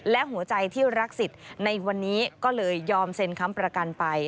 และหัวใจที่รักสิทธิ์ในวันนี้ก็เลยยอมเซ็นค้ำประกันไป